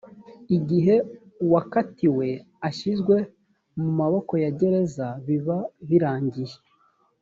igihe uwakatiwe ashyizwe mu maboko ya gereza biba birangiye